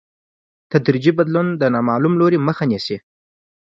تدریجي بدلون د نامعلوم لوري مخه نیسي.